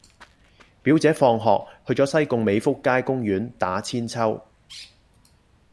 表姐放學去左西貢美福街公園打韆鞦